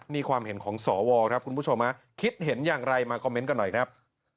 นี่ความเห็นของสวครับคุณผู้ชมคิดเห็นอย่างไรมาคอมเมนต์กันหน่อยครับ